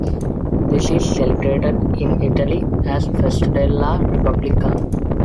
This is celebrated in Italy as Festa della Repubblica.